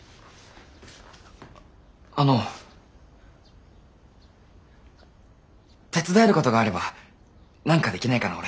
あの手伝えることがあれば何かできないかな俺。